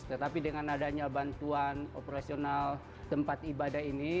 tetapi dengan adanya bantuan operasional tempat ibadah ini